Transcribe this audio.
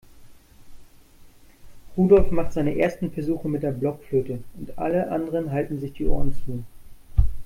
Rudolf macht seine ersten Versuche mit der Blockflöte und alle anderen halten sich die Ohren zu.